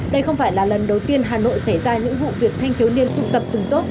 đây không phải là lần đầu tiên hà nội xảy ra những vụ việc thanh thiếu niên tụ tập từng tốt